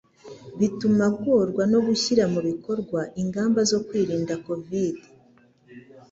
bituma agorwa no gushyira mu bikorwa ingamba zo kwirinda COVID-